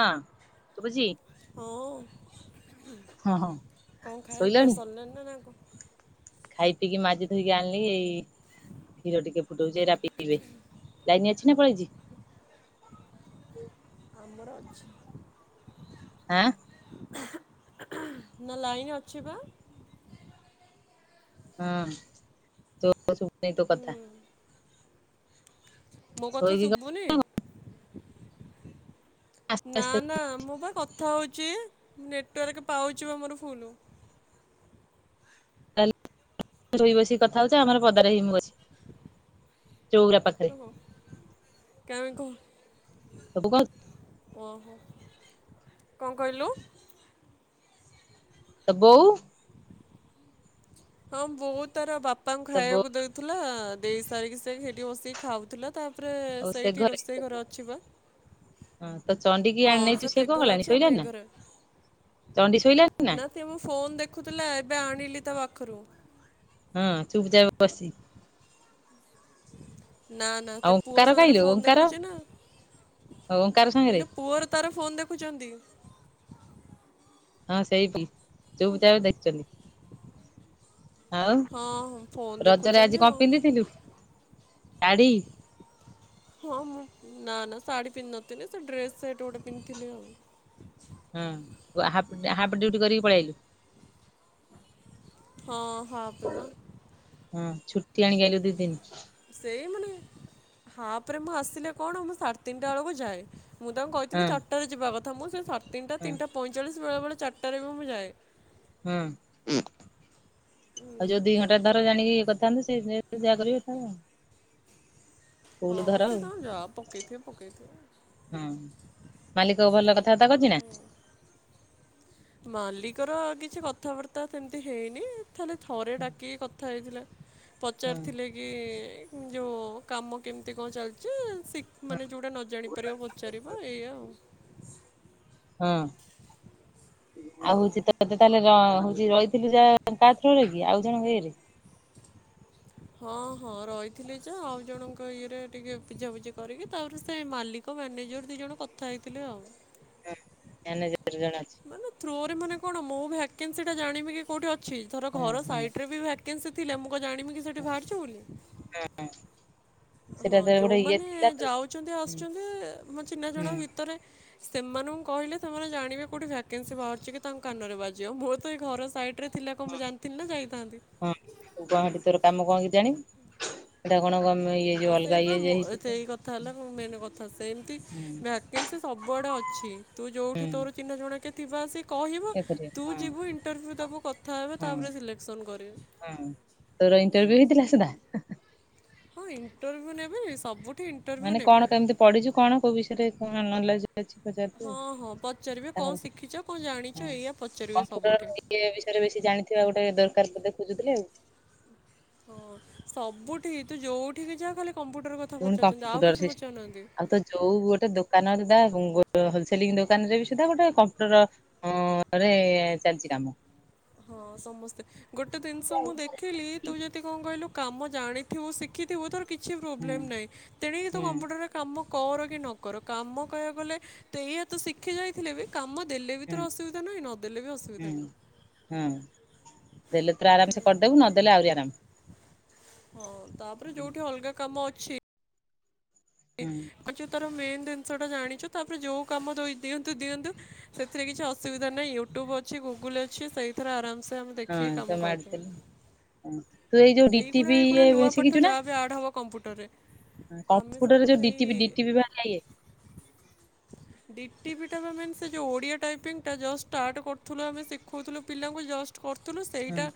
ହଁ। ଶୁଭୁଛି ହଁ ଅଁ କଣ ହଁ ହଁ ଖାଇବା ପିଇଆ ଶୋଇଲଣି ସରିଲେଣିି ନା ନା ଖାଇ ପିକି ମାଜି ଧୋଇକି ଆଣିଲି ଏଇ-ଇ-ଇ କ୍ଷୀର ଟିକେ ଫୁଟଉଛି, ଏରା ପିଇବେ ଲାଇନ୍ ଅଛି ନା ପଳେଇଛି? ଆମର ଅଛି। ଆଁ [unintelligible] ନା ଲାଇନ୍ ଅଛି ବା। ହଁ ତୋ ଶୁବୁନି ତୋ କଥା। ମୋ କଥା ଶୋଇକି ଶୁଭୁନି? ଆସ୍ତେ ନା ଆସ୍ତେ ନା ମୋ ବା କଥା ହେଉଛି ନେଟୱାର୍କ ପାଉଛି ବା ମୋର ଫୁଲୁ। ତାଲେ ରୋଇ ବସିକି କଥା ହୋଉଛ ଆମର ପଦାରେ ହି ମୁ ବସି ଚଉୁରା ପାଖ [unintelligible] କ - ତବୁ କ ଓହୋ, କଁ କହିଲୁ? ତ ବୋଉ। ହଁ ବୋଉ ତାର ବାପାଙ୍କୁ ତୋ ବୋଉ ଖାଇବାକୁ ଦଉଥିଲା ଦେଇ ସାରିକି ସେ ସେଠି ବସିକି ଖାଉଥିଲା। ତାପରେ ସେ ସେଇଠି ଘରେ ରୋଷେଇ ଘର ଅଛି ବା। ହଁ ତ ଚଣ୍ଡି କି ହଁ ଆଣି ନେଇଚୁ ତେ ସେ କଣ ଘରେ କଲାଣି ଅଛି ଆମେ ଏ ଶୋଇଲାନି ନା ଘରେ ଚଣ୍ଡି ଶୋଇଲାନି ନା? ସେ ମୋ ଫୋନ୍ ଦେଖୁଥିଲା, ଏବେ ଆଣିଲି ତା ପାଖରୁ। ହଁ ଚୁପ୍ ଚାବ୍ ବସିଚି। [inaudible] ନା ନା ଆଉ ସେ ପୁଅ ଓଙ୍କାର ସାଙ୍ଗରେ କାହିଁଲୋ ଫୋନ୍ ଓଙ୍କାର ଦେଖୁଛି ନା ଓଙ୍କାର ସାଙ୍ଗରେ ଇଲୋ ପୁଅର ତାର ଫୋନ୍ ଦେଖୁଛନ୍ତି। ହଁ ସେଇ ବି ଯୋଉ ବି ବୁଦା ଦେଖିଛନ୍ତି। ଆଉ ହଁ ହଁ ଫୋନ୍ ରଜରେ ଦେଖୁଛନ୍ତି ଆଜି ଆଉ କଣ ପିନ୍ଧିଥିଲୁ? ସାଢୀ। ହଁ ମୁଁ ନା ନା ଶାଢ଼ୀ ପିନ୍ଧିନଥିଲି, ସେ ଡ୍ରେସ୍ ସେଟ୍ ଗୋଟେ ପିନ୍ଧିଥିଲି ଆଉ। ହଁ ହା-ହାପ୍ ଡିଉଟି କରିକି ପଳେଆଇଲୁ। ହଁ -ହଁ ପ୍ରରା। ହଁ ଛୁଟି ଆଣିିକି ଆଇଲୁ ଦିନ? ସେଇ ମାନେ ହାପ୍ ରେ ମୁଁ ଆସିଲେ କଣ ମୁଁ ସାଢେ ତିନିଟା ବେଳକୁ ଯାଏ। ମୁଁ ତାଙ୍କୁ ହଁ କହିଥିଲି ଚାର୍ ଟାରେ ଯିବା କଥା ମୁଁ ସେ ସାଢେ ତିନ୍ ଟା ହଁ ତିନିଟା ପଇଁଚାଳିଶ ବେଳେବେଳେ ଚାରିଟାରେ ବି ମୁଁ ଯାଏ। ହୁଁ ଆଉ ଯୋଉ ଦି ଘଣ୍ଟା ଧର ଜାଣିକି ଇଏ କରିଥାନ୍ତୁ ସେ-ସେ ଯା କରିବେ ଖାଇବେ। ହଁ ସେ ତାଙ୍କର ଯା ପକେଇ ଥିବେ ପକେଇ ଥିବେ। ହୁଁ, ମାଲିକ ଭଲ କଥାବାର୍ତ୍ତା କରୁଛି ନା? ମାଲିକ ର କିଛି କଥାବାର୍ତ୍ତା ସେମିତି ହେଇନି। ଖାଲି ଥରେ ଡାକିକି କଥା ହେଇଥିଲା ହଁ ପଚାରିଥିଲେ କି କି ଯୋଉ କାମ କେମିତି କଣ ଚାଲିଛି ସି ମାନେ ଯୋଉଟା ନ ଜାଣିପାରିବ ପଚାରିବ ଏଇଆ ଆଉ। ହଁ, ଆଉ ହଉଛି ତତେ ତାହେଲେ ଯା ହଉଛି ରହିଥିଲି ଯା କା ଥ୍ରୋ ରେ କି ଆଉ ଜଣକ ୟେ ରେ? ହଁ, ହଁ ରହିଥିଲି ଯେ ଆଉ ଜଣଙ୍କ ଇଏରେ ଟିକେ ବୁଝାବୁଝି କରିକି ତାପରେ ସେ ମାଲିକ କ ମ୍ୟାନେଜର ଦୁଇ ଜଣ କଥା ହେଇଥିଲେ ଆଉ। ହୁଁ, ମାନେଜର ଜଣେ ଅଛି। ମାନେ ଥ୍ରୋରେ ମାନେ କଣ ମୁଁ ଭେକନ୍ସି ଟା ଜାଣିବେ କି କୋଉଠି ଅଛି ଧର ହଁ ଘର ହଁ ସାଇଟ୍ ବି ଭ୍ୟାକେ ଭ୍ୟାକେନ୍ସି ଥିଲେ ମୁଁ କଣ ଜାଣିବି କି ସେଠି ବାହରିଛି ବୋଲି। ନାଇଁ [unintelligible] ହଁ, ଯୋଉମାନେ ଯାଉଛନ୍ତି ହୁଁ ଆସୁଛନ୍ତି ମୋ ଚିହ୍ନା ହୁଁ ଜଣା ଭିତରେ ସେମାନଙ୍କୁ କହିଲେ ସେମାନେ ଜାଣିବେ କୋଉଠି ଭ୍ୟାକେନ୍ସି ବାହାରୁଛି କି ତାଙ୍କ କାନରେ ବାଜିବ ମୁଁ ତ ଏଇ ଘର ସାଇଟ୍ ରେ ଥିଲା କ ମୁଁ ଜାଣିଥିଲି ନା ଯାଇଥାନ୍ତି। [unintelligible] ଗୋହା ଭିତରେ କାମ କଣ କି ଜାଣିବୁ? ସେଇଟା କଣ ଗମେ ଇଏ ହଁ ଯୋଉ ଅଲଗା ସେଇପା ଇଏ ଯେ ମୋ ହେଇଛି ସେଇ କଥା ହେଲା ମୋ ମେନ୍ କଥା ସେମତି ହୁଁ ଭ୍ୟାକେନ୍ସି ସବୁଆଡେ ଅଛି ତୁ ଯୋଉଠି ହୁଁ ତୋର ଚିହ୍ନା ଜଣା କିଏ ଥିବ ଆସି କହିବୁ ଇଏ କରିବେ ତୁ ହଁ ଯିବୁ ଇଣ୍ଟରଭ୍ୟୁ ଦେବୁ କଥା ହେବା ତାପରେ ସିଲେକ୍ସନ୍ କରିବେ। ହୁଁ, ତୋର ଇଣ୍ଟରଭି୍ୟୁ ହେଇଥିଲା ସେଟା? ହଁ, ଇଣ୍ଟରଭିୁ ନେବେ ନି ସବୁଠୁ ମାନେ କଣ କେମିତି ପଢିଛୁ କଣ କୋଉ ବିଷୟରେ କଣ ନଲେଯ ଅଛି ପଚାର ହଁ, ହଁ ପଚାରିବେ କଣ ଶିଖିଛ କଣ ହଁ। ଜାଣିଛ ଏଇଆ ପଚାରିବେ କମ୍ପ୍ୟୁଟର ସବୁଠି। ଇଏ ବିଷୟରେ ବେଶୀ ଜାଣିଥିବା ଗୋଟେ ଦରକାର ପଦେ ଖୋଜୁଥିଲି ଆଉ। ହଁ, ସବୁଠି ତୁ ଯୋଉଠିକି ଯା ଖାଲି କମ୍ପ୍ୟୁଟର କଥା ପୁଣି ପଚାରୁଛନ୍ତି ଆଉ କମ୍ପ୍ୟୁଟର କିଛି ସିଷ୍ଟ ପଚାରୁ ନାହାନ୍ତି। ଆଉ ତ ଯୋଉ ଗୋଟେ ଦୋକାନ ରେ ଯା ଗୋ ସୁଧା ହୋଲସେଲି ଦୋକାନରେ ବି ସୁଧା ଗୋଟେ କମ୍ପୁଟର ହଁ ରେ ଚାଲିଛି କାମ। ହଁ ସମସ୍ତେ ଗୋଟେ ଜିନିଷ ମୁଁ ଦେଖିଲି ତୁ ଯଦି କଣ କହିଲୁ କାମ ଜାଣିଥିବୁ ଶିଖିଥିବୁ ତୋର କିଛି ହୁଁ ପ୍ରୋବଲେମ୍ ନାହିଁ ତେଣିକି ତୁ ହୁଁ କମ୍ପ୍ୟୁଟର କାମ କର କି ନ କର କାମ କହିବାକୁ ଗଲେ ତୁ ଏଇଆ ତ ଶିଖି ଯାଇ ଥିଲେ ବି କାମ ଦେଲେ ବି ହୁଁ ତୋର ଅସୁବିାଧା ନାହିଁ ନ ଦଲେ ଅସୁବିଧା ନାହିଁ। ହୁଁ, ଦେଲେ ତୋର ଆରାମସେ କରିଦବୁ ନଦେଲେ ଆହୁରି ଆରାମ୍। ହଁ ତାପରେ ଯୋଉଠି ଅଲଗା କାମ ଅଛି ଇ ହୁଁ [unintelligible] ଆଚୁ ତୋର ମେନ୍ ଜିନିଷଟା ଜାଣିଛୁ ତାପରେ ଯୋଉ କାମ ଦିଅନ୍ତୁ ଦିଅନ୍ତୁ ସେଥିରେ କିଛି ଅସ୍ ଆସୁବିଧା ନାହିଁ ୟୁଟ୍ୟୁବ୍ ଅଛି, ଗୁଗୁଲ୍ ଅଛି ସେଇଥିରେ ଆରାମସେ ଆମେ ଦେଖିକି କାମ କରିଦେଉ। ହୁଁ, ତୁ ଏଇ ଯୋଉ ଡିଟି ପି ଇଏ ଶିଖିଛୁ ନା? ଏବେ ଆଡ଼୍ ହେବ କମ୍ପ୍ୟଟରରେ। କମ୍ପୁଟର ରେ ଯୋଉ ଡିଟିପି ଡିଟିପି ବାହାର ନା ଇଏ [inaudible] ଡିଟିପି ଟା ବା ମେନ୍ ସେ ଯୋଉ ଓଡ଼ିଆ ଟାଇପିଙ୍ଗ ଟା ଜଷ୍ଟ ଷ୍ଟାର୍ଟ କରୁଥିଲୁ ଆମେ ଶିଖାଉଥିଲୁ ପିଲାଙ୍କୁ ଜଷ୍ଟ କରୁଥିଲୁ ହଁ। ସେଇଟା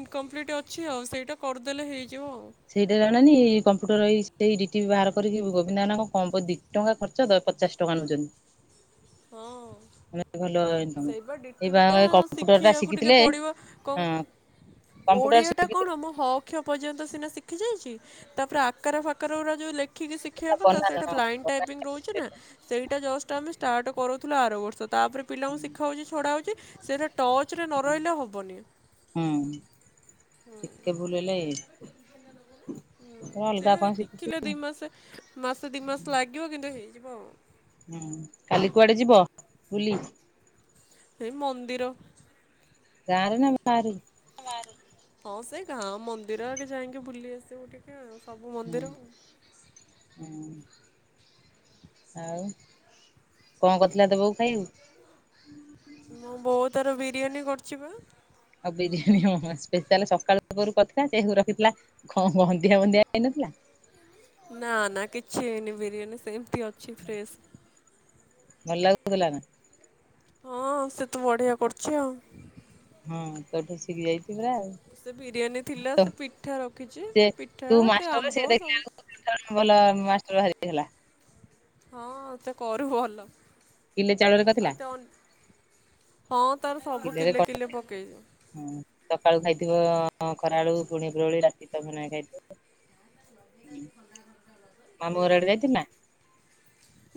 ଇନକମ୍ପ୍ଲିଟ୍ ଅଛି ଆଉ ସେଇଟା କରିଦେଲେ ହେଇଯିବ ଆଉ। ସେଇଟା ଜାଣଣିି କମ୍ପ୍ୟୁଟର ଏଇ ଏଇ ଡି ଟିପି ବାହାର କରିକି ଗୋବିନ୍ଦନାଙ୍କ କଁ ପଦି ଟଙ୍କା ଖର୍ଚ୍ଚ ପଚାଶ ଟଙ୍କା ନଉଛନ୍ତି। ହଁ ଅଁ। ମାନେ ଭଲ ଇନକମ୍। ସେଇବା ଏଇ ବା ଡିଟିପିଟା କମ୍ପ୍ୟୁଟର ଟା ଶିଖିବାକୁ ଟିକେ ଶିଖିଥିଲେ ପଡ଼ିବ ହଁ କଣ କମ୍ପ୍ୟୁଟର ଓଡ଼ିଆଟା କଣ ମୋ ହକ୍ ହ କ୍ଷ ପର୍ଯ୍ୟନ୍ତ ସିନା ଶିଖି ଯାଇଛି ତାପରେ ଆକାର ଫାକାର ଗୁରା ଜଉ ଲେଖିକି ସିକ ଶିଖିଥିଲେ ଶିଖିବା କଥା ବନାନ ସେଇଟା ହଁ। ବ୍ଲାଇଣ୍ଡ ଟାଇପିଙ୍ଗ ରହୁଛି ନା ସେଇଟା ଜଷ୍ଟ ଆମେ ଷ୍ଟାର୍ଟ କରଉଥିଲୁ ଆର ବର୍ଷ ତାପରେ ପିଲାଙ୍କୁ ଶିଖା ହଉଛି ଛଡ଼ା ହଉଛି ସେଇରା ଟଚରେ ନ ରହିଲେ ହବନି ହୁଁ। ଟିକେ ଭୁଲହେଲା ଏ। ହୁଁ ସେ କଣ ଶିଖୁଛୁ ଶିଖିଲେ ଦି ମାସେ। ମାସେ ଦିମାସ ଲାଗିବ କିନ୍ତୁ ହେଇଯିବ ଆଉ। ହୁଁ କାଲି କୁଆଡେ ଯିବ ବୁଲି। ହେଇ ମନ୍ଦିର। ଗାଁରେ ନା ବାହାରି? ହଁ ସେଇ ଗାଁ ମନ୍ଦିରରେ ଯାଇଁକି ବୁଲି ଆସିବୁ ଟିକେ ଆଉ ସବୁ ହୁଁ ମନ୍ଦିର ଆଉ। ହୁଁ। ଆଉ କଣ କରିଥିଲା ଦବାକୁ ଖାଇବାକୁ? ମୋ ବୋଉ ତାର ବିରିୟାନୀ କରୁଛି ବା। ଆଉ ବିରିୟାନୀ ହଁ ସ୍ପେଶାଲ ସକାଳ ପୂର୍ବରୁ କରିଥିଲା ସେଇଆକୁ ରଖିଥିଲା କଣ ଗନ୍ଧିଆ ବନ୍ଧିଆ ହେଇନଥିଲା? ନା ନା କିଛି ହେଇନି ବିରିୟାନୀ ସେମତି ଅଛି ଫ୍ରେଶ। ଭଲ ଲାଗୁଥିଲା ନାଁ? ହଁ ସେ ତ ବଢିଆ କରୁଛି ଆଉ। ହଁ ତୋଠୁ ଶିଖି ଯାଇଛି ପୁରା ଆଉ। ସେ ବିରିୟାନୀ ଥିଲା ତ ସେ ପିଠା ରଖିଛି ସେ ପିଠା ତୁ ସେ ମାଷ୍ଟର ଆମ୍ବ ଦେଖିଲା ସବୁ ଭଲ ମାଷ୍ଟର ବାହାରିକି ହେଲା। ହଁ ସେ କରୁ ଭଲ। କିଲେ ଚାଉଳରେ ଆଉ କରିଥିଲା? ତେ ଅନ୍ ହଁ ତାର ସବୁ କିଲେ କିଲେ ପକେଇଛି। ହୁଁ ସକାଳୁ ଖାଇଥିବ ଖରାଅଳୁ ପୁଣି ଉପରଓଳି ରାତି ତମେ ନାଇଁ ଖାଇଥିବ। ମାମୁଁ ଘରଆଡେ ଯାଇଥିଲୁ ନା?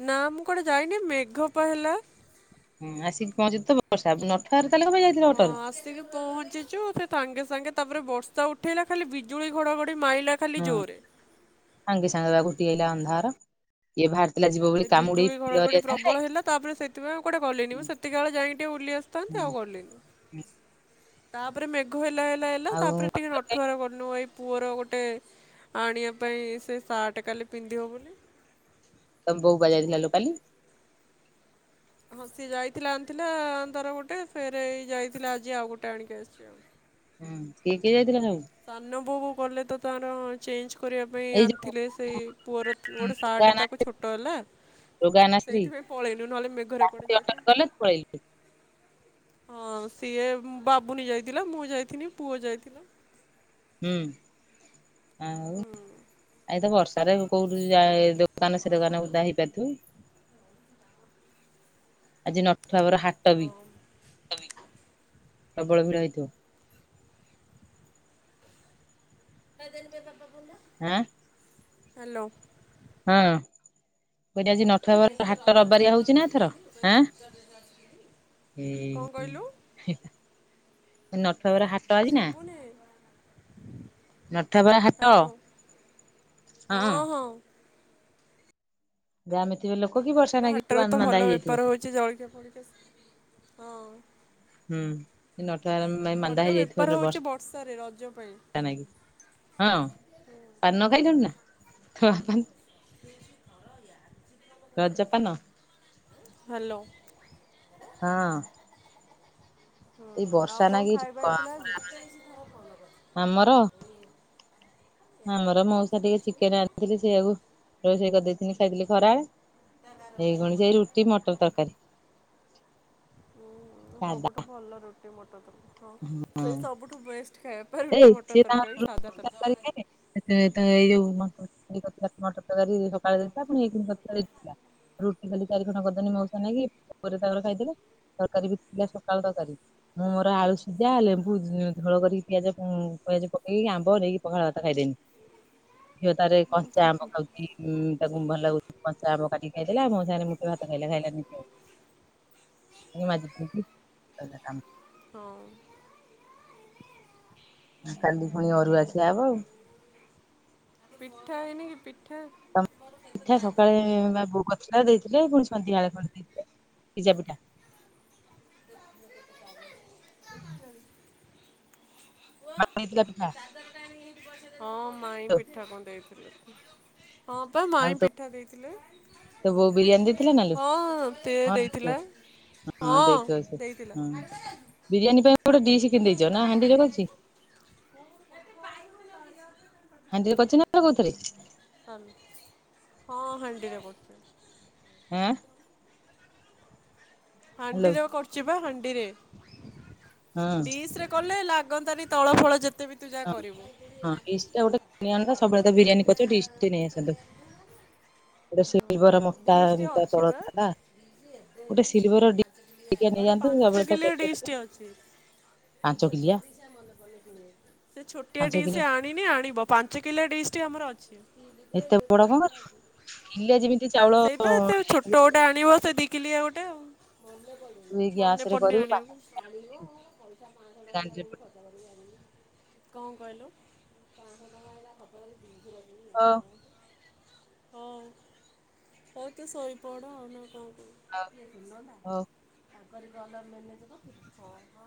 ନା ମୁଁ କୁଆଡେ ଯାଇନି ମେଘପା ହେଲା। ହୁଁ ଆସିକି ପହଞ୍ଚିଚୁ ତ ବର୍ଷା ନଥିବାରୁ ତାହେଲେ କଁ ପାଇଁ ଯାଇ ହଁ ଆସିକି ପହଞ୍ଚିଚୁ ସେ ସାଙ୍ଗେ ସାଙ୍ଗେ ତାପରେ ବର୍ଷା ଉଠେଇଲା ଖାଲି ବିଜୁଳି ଘଡଘଡି ମାଇଲା ଖାଲି ହୁଁ ଜୋରେ। ସାଙ୍ଗେ ସାଙ୍ଗେବା ଘୋଟିିଆଇଲା ଅନ୍ଧାର ଇଏ ବାହାରିଥିଲା ଯିବ ବୋଲି ସେ କାମୁଡି ବିଜୁଳି ଘଡ଼ ଘଡି ଫୁଲହେରିକା ସାଙ୍ଗରେ ପ୍ରବଳ ହେଲା ତାପରେ ସେଥିପାଇଁ ଆଉ କୁଆଡେ ଗଲିିନି ମୁଁ ସେତିକି ବଳେ ଯାଇକି ଟିକେ ବୁଲିକି ଆସିଥାନ୍ତି ଆଉ ଗଲିନି। ତାପରେ ମେଘ ହେଲା ହେଲା ହେଲା ତାପରେ ଟିକେ ର ଆଉ ଆଠୁଆର ଗନୁ ଏଇ ପୁଅର ଗୋଟେ ଆଣିବା ପାଇଁ ସେ ସାର୍ଟ କାଲି ପିନ୍ଧିବ ବୋଲି। ତୋ ପୁଅ କୁଆଡେ ଯାଇଥିଲାଲୋ କାଲି? ହଁ ସିଏ ଯାଇଥିଲା ଆଣିଥିଲା ତାର ଗୋଟେ ଫେରଏଇ ଯାଇଥିଲା ଆଜି ଆଉ ଗୋଟେ ଆଣିକି ଆସିଛି। ହଁ କିଏ କିଏ ଯାଇଥିଲ ସବୁ? ସାନ ବଉ ଗଲେ ତ ତାର ଅ ଚେଞ୍ଜ କରିବା ପାଇଁ ଏଇ ଯୋଉ ଆଣିଥିଲେ ସେଇ ପୁଅର ଗୋଟେ ସାର୍ଟ ତାକୁ ରୋଗାନାଶ୍ରୀ ଛୋଟ ହେଲା। ରୋଗାନାଶ୍ରୀ ସେଇଥିପାଇଁ ପଳେଇଲୁ ନହେଲେ ମେଘରେ ତାକୁ କୁଆଡେ ବି ଅଟକ କଲେ ଯାଇଥାନ୍ତୁ। ତୁ ପଳେଇଲୁ। ହଁ ସିଏ ବାବୁନୀ ଯାଇଥିଲା ମୁଁ ଯାଇଥିଲି ପୁଅ ଯାଇଥିଲା। ହୁଁ ଆଉ ହୁଁ ଏଇ ତ ବର୍ଷାରେ କଉଠି ଯାଇ ଦୋ ଦୋକାନ ସେ ଦୋକାନ ଓଦା ହେଇପାରୁଥିବ କି। ଆଜି ନଠୁଆବର ହାଟ ବି ପ୍ରବଳ ଭିଡ ହେଇଥିବ। [unintelligible] ହଁ। ହାଲୋ। ହଁ। କହିଲି ଆଜି ନଠୁଆବର ହାଟ ରବିବାରିଆ [inaudible] କଣ ଏଇ କହିଲୁ ନଠୁଆବର ହା ଶୁବୁନି। ନଠୁଆବର ହାଟ। ହାଲୋ ହଁ -ହଁ। [unintelligible] ଏବେ ନାଗି ହାଟରେ ତ ମାନ୍ଦା ଭଲ ହେଇଯାଇଥିବ। ବେପାର ହଉଚି ଜଳିଖିଆ ଫଳିଖିଆ ହଁ। [unintelligible] ମାନ୍ଦା ଭଲ ବେପାର ହେଇଯାଇଥିବ ହଉଛି ବର୍ଷ୍। [unintelligible] ବର୍ଷାରେ ରଜ ପାଇଁ [inaudible] ରଜପାନ। ହାଲୋ। ହଁ ହୁଁ ଏଇ ବର୍ଷା ଆଉ କଣ ନାଗି ଖାଇବା ହେଇଥିଲା ଆଜି? ଆମର? ଆମର ମଉସା ଟିକେ ଚିକେନେ ଆଣିଥିଲେ ସେଇଆକୁ ରୋଷେଇ କରିଦେଇଥିଲି ଖାଇଥିଲେ ଖରାଳେ। ଏଇଖୁଣି ସେଇ ରୁଟି ମଟର୍ ତରକାରୀ। ହୁଁ- ସାଧା ସବୁଠୁ ଭଲ ରୁଟି ମଟର ତରକାରୀ ହଁ ସେଇ ସବୁଠୁ ବେଷ୍ଟ୍ ଖାଇ ଏଇ ସିଏ ତାଙ୍କର [unintelligible] ତ ଏଇ ଯଉ ମଟର ତରକାରୀ କରିଥିଲା ମଟର ତରକାରୀ ସକାଳେ ଦେଇଥିଲା ପୁଣି ଏଇଖୁଣି କରିଥିଲା ରୁଟି ଖାଲି ଚାରି ଖଣ୍ଡ କରିଦେନି ମଉସା ନାଗି ପୁଅର ତାଙ୍କର ଖାଇଦେଲେ ତରକାରୀ ବି ଥିଲା ସକାଳ ତରକାରୀ ମୁଁ ମୋର ଆଳୁ ସିଜା ଲେମ୍ବୁ ଝୋଳ କରି ପିଆଜ- ପିଆଜ ପକେଇକି ଆମ୍ବ ନେଇକି ପଖାଳ ଭାତ ଖାଇଦେନି ଝିଅ ତାର କଞ୍ଚା ଆମ୍ବ ଖାଉ ଏଇ ଉଁ- ତାକୁ ଭଲ ଲାଗୁଛି କଞ୍ଚା ଆମ୍ବ କାଟିକି ଖାଇ ଦେଲା ମୋ ସାଙ୍ଗରେ ମୁଠେ ଭାତ ଖାଇଲା ଖାଇଲାନି ଆଉ। ମାଜି ଧୋଇକି ସଇଲା କାମ। ହଁ। କାଲି ଫୁଣି ଅରୁଆ ଖିଆ ହବ ଆଉ। ପିଠା ହେଇନି କି ପିଠ୍ ପିଠା ସକାଳେ ବା ବୋଉ ସକାଳେ ଦେଇଥିଲେ ପୁଣି ସନ୍ଧ୍ୟାଳେ କରି ଦେଇଥିଲେ ପିଜା ପିଠା। ହୁଁ [inaudible] ହଁ ମାଇଁ ତୋ ପିଠା କଣ ଦେଇଥିଲେ ହଁ ପା ମାଇଁ ପିଠା ଦେଇଥିଲେ। ତ ବଉ ବିରିୟାନୀ ଦେଇଥିଲା ନାଲୋ ହଁ ତେ ହଁ ଦେଇଥିଲା [inaudible] ହଁ ଦେଇଥିବ ସେ ହଁ ବିରିୟାନୀ ପାଇଁ ଗୋଟେ ଡିସ୍ କିଣି ଦେଇଚ ନା ହାଣ୍ଡିରେ କରିଚି? ହାଣ୍ଡିରେ କରିଚ ନା କଉଥିରେ? ହଁ ହାଣ୍ଡିରେ କରୁଚି। ଉଁ ହ୍ୟାଲୋ ହାଣ୍ଡିରେ କରୁଛି ବା ହାଣ୍ଡିରେ ହଁ ଡିସରେ କଲେ ଲାଗନ୍ତାନି। ତଳ ଫଳ ଯେତେ ବି ତୁ ଯାହା ହଁ କରିବୁ। ହଁ ଡିସଟା ଗୋଟେ କିଣି ଆଣନ୍ତ ସବୁବେଳେ ତ ବିରିୟାନୀ କରୁଛ ଡିସଟେ ନେଇ ଆସନ୍ତ। ଦ ସିଲିବର ମୋଟା ଡିସ୍ ଟେ ତା ଅଛି ତଳ ପା ଥିଲା ଗୋଟେ ସିଲଭର ଡି ଟିକେ ଗୋଟେ ନେଇଯାଆନ୍ତୁ ପାଞ୍ଚ ସବୁବେଳେ ତ କରୁଛନ୍ତି। ଗୋଟେ ପାଞ୍ଚ କିଲିଆ ଛୋଟିଆ ଡିସ ମନେ ପଡୁନି କିଣିବାକୁ ସେ ଛୋଟିଆ ପାଞ୍ଚ ଡିସ୍ କିଲିଆ ଆଣିନି ଆଣିବ ପାଞ୍ଚ କିଲିଆ ଡିସଟେ ଆମର ଅଛି। ଏତେ ବଡ କଣ କିଲେ ଯେମିତି ଚାଉଳ ସେଇପା ସେ ଛୋଟ ଧରିବ। ଗୋଟେ ଆଣିବ ସେ ଡି କିଲିଆ ଗୋଟେ ଆଉ ମନେ ପଡୁନି ମନେ ଗ୍ୟାସ ରେ ପଡ଼ୁନି କରିବୁ ପାଞ୍ଚ ଆଣିବାକୁ ଆଣିବ ପଇସା ପାଶହ ଦବ ଗାଣ୍ଡିରେ ଜଣକୁ [unintelligible] କଣ କହିଲୁ [unintelligible] ହଁ ହଉ ହଉ ତୁ ଶୋଇପଡ ନା କଣ ଆଉ କହୁଛୁ? [unintelligible]